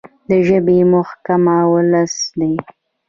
د ژبې محکمه ولس دی.